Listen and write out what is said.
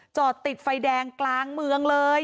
จอดติดไฟแดงกลางเมืองเลย